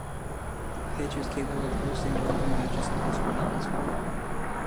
The pitch is capable of hosting rugby matches as well as football.